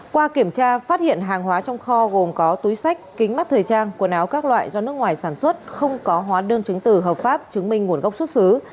qua kiểm tra phát hiện hàng hóa trong kho gồm có túi sách kính mắt thời trang quần áo các loại do nước ngoài sản xuất không có hóa đơn chứng từ hợp pháp chứng minh nguồn gốc xuất xứ